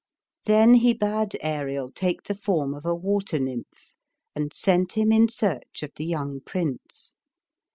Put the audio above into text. Then he bade Ariel take the form of a water nymph and sent him in search of the young prince.